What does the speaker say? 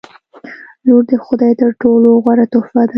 • لور د خدای تر ټولو غوره تحفه ده.